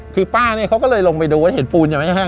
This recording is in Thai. คือป้าเนี่ยเขาก็เลยลงไปดูเห็นปูนอย่างไร